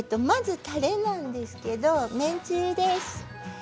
まずたれなんですけれど麺つゆです。